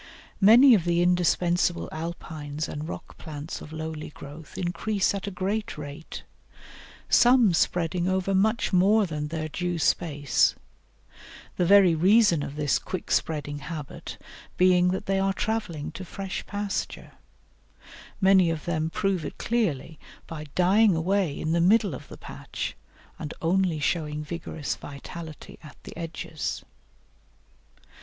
Many of the indispensable Alpines and rock plants of lowly growth increase at a great rate, some spreading over much more than their due space, the very reason of this quick spreading habit being that they are travelling to fresh pasture; many of them prove it clearly by dying away in the middle of the patch, and only showing vigorous vitality at the edges.